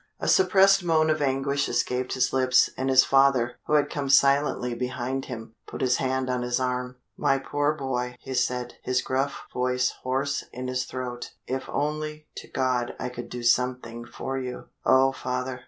A suppressed moan of anguish escaped his lips, and his father, who had come silently behind him, put his hand on his arm. "My poor boy," he said, his gruff voice hoarse in his throat, "if only to God I could do something for you!" "Oh, father!"